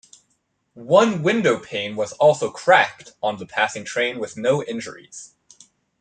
One window pane was also cracked on the passing train with no injuries.